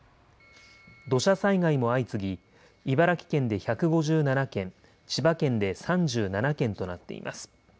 土砂災害も相次ぎ、茨城県で１５７件、千葉県で３７件となっています。